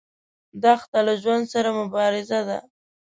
دښته له ژوند سره مبارزه ده.